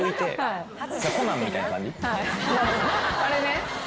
あれね。